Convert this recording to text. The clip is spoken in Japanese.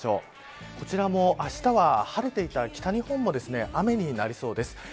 こちらもあしたは晴れていた北日本も雨になりそうです。